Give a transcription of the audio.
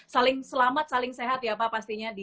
saling selamat saling sehat ya pak pastinya